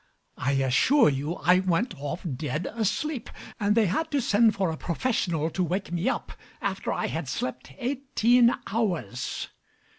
I assure you I went off dead asleep; and they had to send for a professional to wake me up after I had slept eighteen hours.